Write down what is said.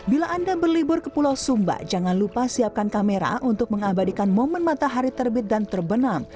bila anda berlibur ke pulau sumba jangan lupa siapkan kamera untuk mengabadikan momen matahari terbit dan terbenam